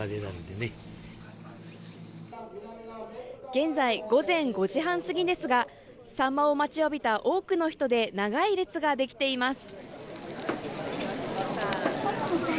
現在午前５時半過ぎですがサンマを待ちわびた多くの人で長い列ができています。